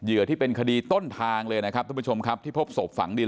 ที่เป็นคดีต้นทางเลยนะครับทุกผู้ชมครับที่พบศพฝังดิน